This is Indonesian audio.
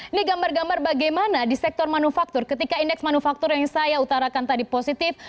ini gambar gambar bagaimana di sektor manufaktur ketika indeks manufaktur yang saya utarakan tadi positif